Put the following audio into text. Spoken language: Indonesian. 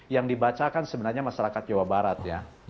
yang dibacakan sebenarnya masyarakat jawa barat ya